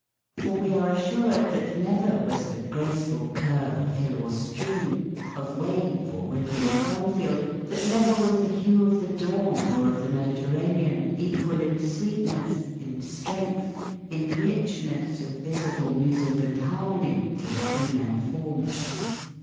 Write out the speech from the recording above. For we are assured that never was the graceful curve of hill or stream, of wave or rippling cornfield, that never was the hue of the dawn or of the Mediterranean equal in sweetness, in strength, in richness of visible music and harmony to the female form.